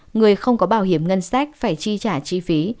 người không có bảo hiểm ngân sách phải chi trả chi phí